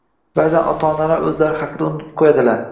ba’zan ota-onalar o‘zlari haqida unutib qo‘yadilar.